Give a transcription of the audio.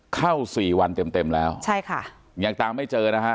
สี่วันเต็มเต็มแล้วใช่ค่ะยังตามไม่เจอนะฮะ